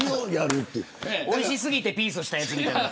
おいしすぎてピースしたやつみたいな。